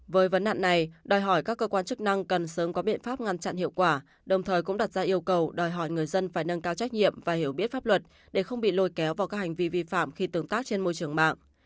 với vấn nạn này đòi hỏi các cơ quan chức năng cần sớm có biện pháp ngăn chặn hiệu quả đồng thời cũng đặt ra yêu cầu đòi hỏi người dân phải nâng cao trách nhiệm và hiểu biết pháp luật để không bị lôi kéo vào các hành vi vi phạm khi tương tác trên môi trường mạng